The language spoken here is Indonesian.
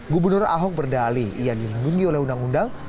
gubernur ahok berdali ia dilindungi oleh undang undang